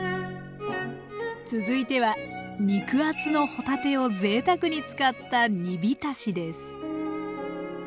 続いては肉厚の帆立てをぜいたくに使った煮びたしです